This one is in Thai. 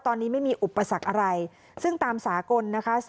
ตอนนี้ไม่มีอุปสรรคอะไรซึ่งตามสากลนะคะ